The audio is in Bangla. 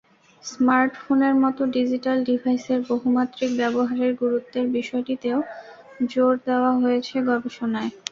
স্মার্টফোনের মতো ডিজিটাল ডিভাইসের বহুমাত্রিক ব্যবহারের গুরুত্বের বিষয়টিতেও জোর দেওয়া হয়েছে গবেষণায়।